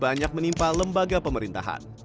banyak menimpa lembaga pemerintahan